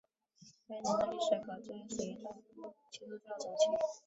该堂的历史可追溯到基督教早期。